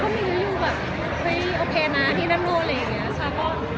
ก็มีวิววิวแบบโอเคนะนี่นั่นนู้นอะไรอย่างนี้